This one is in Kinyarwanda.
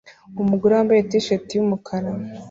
Umugore wambaye t-shati yumukara